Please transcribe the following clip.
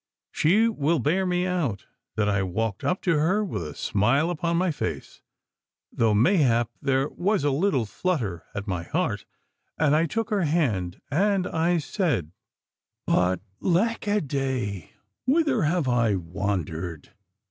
She will bear me out that I walked up to her with a smile upon my face, though mayhap there was a little flutter at my heart, and I took her hand and I said but, lack a day, whither have I wandered?